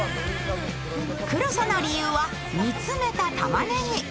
黒さの理由は煮詰めたたまねぎ。